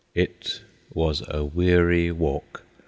It was a weary walk.